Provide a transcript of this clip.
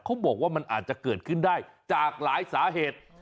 เขาบอกว่ามันอาจจะเกิดขึ้นได้จากหลายสาเหตุ